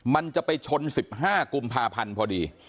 มันจะไปชน๑๕กุมภาพันธ์พอดี